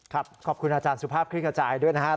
ขอบคุณอาจารย์สุภาพคลิกกระจายด้วยนะครับ